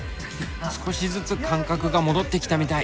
少しずつ感覚が戻ってきたみたい。